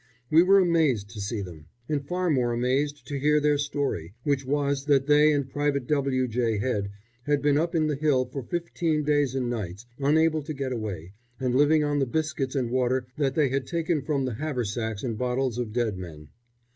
We were amazed to see them, and far more amazed to hear their story, which was that they and Private W. J. Head had been up in the hill for fifteen days and nights, unable to get away, and living on the biscuits and water that they had taken from the haversacks and bottles of dead men.